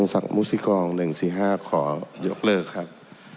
สงสักมูศิกร๑๔๕ขอยกเลิกครับ